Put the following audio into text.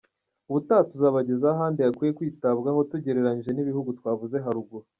Ubutaha tuzabagezaho ahandi hakwiye kwitabwaho, tugereranyije n’ibihugu twavuze haruguru.